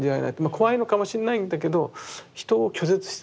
怖いのかもしれないんだけど人を拒絶してないっていうか。